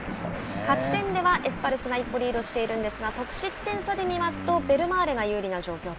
勝ち点ではエスパルスが一歩リードしているんですが得失点差で見ますとベルマーレが有利な状況と。